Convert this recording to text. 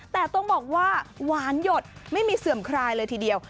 แต่ต้องบอกว่าหวานหยดไม่มีเสื่อมคลายเลยทีเดียว